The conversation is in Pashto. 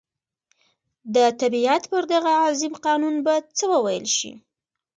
د طبعیت پر دغه عظیم قانون به څه وویل شي.